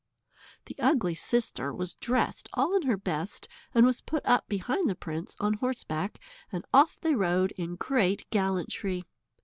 The ugly sister was dressed all in her best and was put up behind the prince on horseback, and off they rode in great gallantry.